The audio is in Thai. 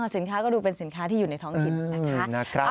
สินค้าก็ดูเป็นสินค้าที่อยู่ในท้องถิ่นนะคะ